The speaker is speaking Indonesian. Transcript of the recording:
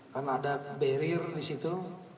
karena ada barrier disitu